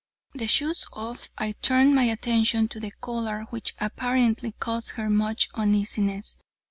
The shoes off, I turned my attention to the collar which apparently caused her much uneasiness.